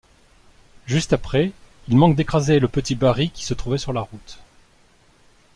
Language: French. Juste après, il manque d'écraser le petit Barry qui se trouvait sur la route.